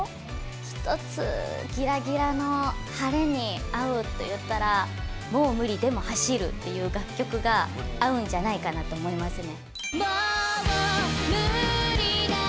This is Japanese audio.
一つ、ギラギラな晴れに合うといったら、もう無理、でも走るっていう楽曲が合うんじゃないかなと思いますね。